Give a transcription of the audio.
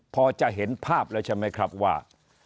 พอจะเห็นภาพแล้วใช่ไหมครับว่า